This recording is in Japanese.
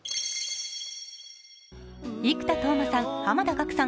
生田斗真さん、濱田岳さん